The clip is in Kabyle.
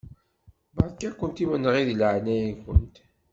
Beṛka-kent imenɣi di leɛnaya-nkent.